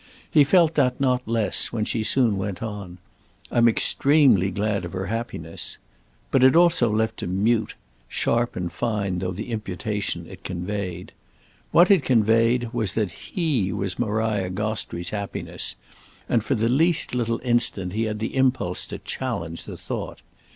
He felt that not less when she soon went on: "I'm extremely glad of her happiness." But it also left him mute—sharp and fine though the imputation it conveyed. What it conveyed was that he was Maria Gostrey's happiness, and for the least little instant he had the impulse to challenge the thought.